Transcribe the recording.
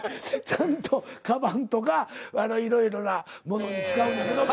ちゃんとかばんとかいろいろな物に使うんやけど。